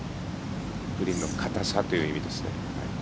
グリーンの硬さという意味です。